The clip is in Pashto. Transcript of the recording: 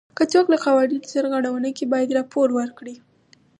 که څوک له قوانینو سرغړونه وکړي باید راپور ورکړي.